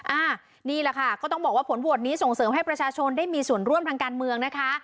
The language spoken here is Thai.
อ่านี่แหละค่ะก็ต้องบอกว่าผลโหวตนี้ส่งเสริมให้ประชาชนได้มีส่วนร่วมทางการเมืองนะคะ